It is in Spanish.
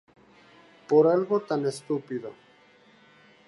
Por algo tan estúpido.